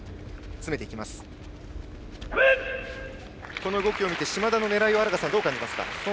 この動きを見て嶋田の狙いをどう感じますか？